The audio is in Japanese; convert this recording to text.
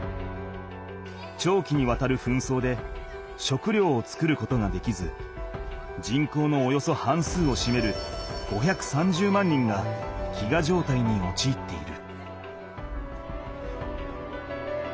長期にわたる紛争で食料を作ることができず人口のおよそ半数をしめる５３０万人が飢餓状態におちいっている。